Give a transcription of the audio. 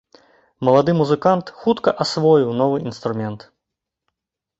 Малады музыкант хутка асвоіў новы інструмент.